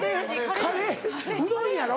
カレーうどんやろ？